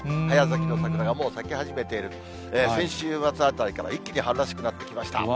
早咲きの桜がもう咲き始めている、先週末あたりから一気に春らしくなってきました。